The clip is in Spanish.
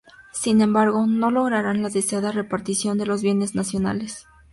Sin embargo, no lograrán la deseada repartición de los bienes nacionales.